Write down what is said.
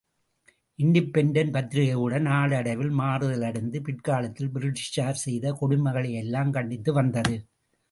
Independent பத்திரிகை கூட நாளடைவில் மாறுதலடைந்து, பிற்காலத்தில் பிரிட்டிஷார் செய்த கொடுமைகளையெல்லாம் கண்டித்து வந்தது.